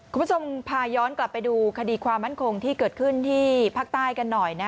คุณผู้ชมพาย้อนกลับไปดูคดีความมั่นคงที่เกิดขึ้นที่ภาคใต้กันหน่อย